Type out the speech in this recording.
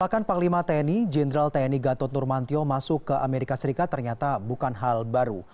bahkan panglima tni jenderal tni gatot nurmantio masuk ke amerika serikat ternyata bukan hal baru